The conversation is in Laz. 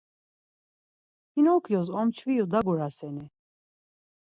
Pinokyos omçviru daguraseni?